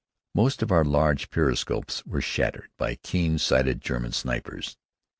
Most of our large periscopes were shattered by keen sighted German snipers.